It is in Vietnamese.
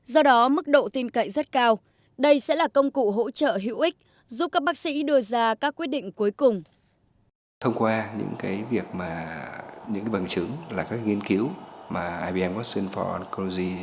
do đó mức độ tin cậy rất cao đây sẽ là công cụ hỗ trợ hữu ích giúp các bác sĩ đưa ra các quyết định cuối cùng